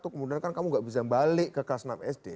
kemudian kan kamu nggak bisa balik ke kelas enam sd